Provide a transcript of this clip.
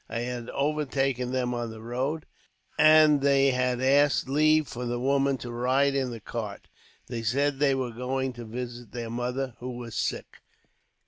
I had overtaken them on the road, and they had asked leave for the woman to ride in the cart. They said they were going to visit their mother, who was sick.